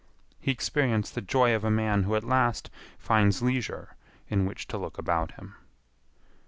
He experienced the joy of a man who at last finds leisure in which to look about him.